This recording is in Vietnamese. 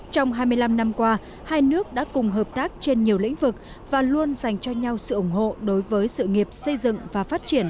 trong hai mươi năm năm qua hai nước đã cùng hợp tác trên nhiều lĩnh vực và luôn dành cho nhau sự ủng hộ đối với sự nghiệp xây dựng và phát triển